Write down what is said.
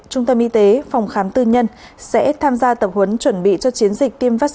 trung tâm y tế phòng khám tư nhân sẽ tham gia tập huấn chuẩn bị cho chiến dịch